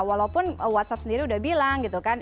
walaupun whatsapp sendiri udah bilang gitu kan